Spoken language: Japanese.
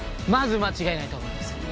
まず間違いないと思います。